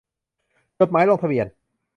จดหมายลงทะเบียน